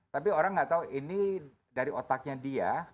tapi orang gak tau ini dari otaknya dia